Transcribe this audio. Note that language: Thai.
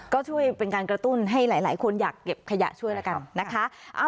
ก็ช่วยเป็นการกระตุ้นให้หลายคนอยากเก็บขยะช่วยแล้วกันนะคะ